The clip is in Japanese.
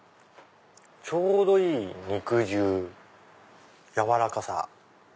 ちょうどいい肉汁軟らかさ。